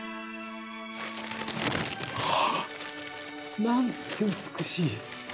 はあ！なんて美しい！